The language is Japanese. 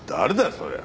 そりゃ。